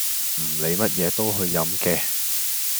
唔理乜嘢都去飲嘅